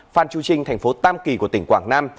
phan chu trinh thành phố tam kỳ của tỉnh quảng nam